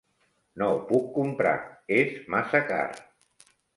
No ho puc comprar, és massa car.